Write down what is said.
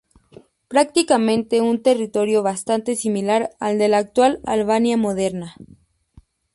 Prácticamente un territorio bastante similar al de la actual Albania moderna.